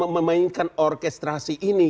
memainkan orkestrasi ini